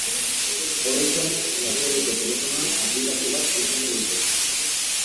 Horrez gain, sakelako telefonoan aplikazio bat izango dute.